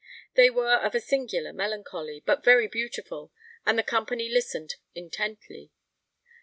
They were of a singular melancholy, but very beautiful, and the company listened intently.